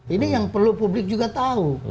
ini yang perlu publik juga tahu